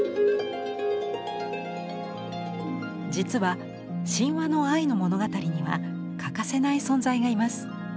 実は神話の愛の物語には欠かせない存在がいます。